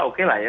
oke lah ya